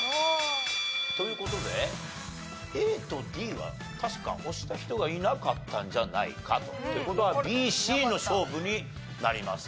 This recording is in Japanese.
という事でＡとＤは確か押した人がいなかったんじゃないかと。って事はＢＣの勝負になりますかね。